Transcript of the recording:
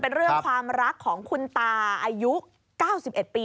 เป็นเรื่องความรักของคุณตาอายุ๙๑ปี